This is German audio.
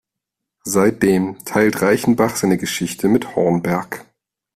Seitdem teilt Reichenbach seine Geschichte mit Hornberg.